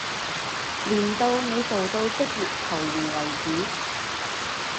練到你做到職業球員為止